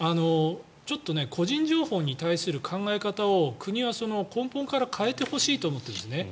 ちょっと個人情報に対する考え方を国は根本から変えてほしいと思っているんですね。